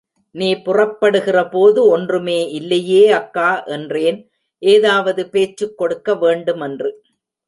நீ புறப்படுகிறபோது ஒன்றுமே இல்லையே, அக்கா? என்றேன், ஏதாவது பேச்சுக் கொடுக்க வேண்டுமென்று.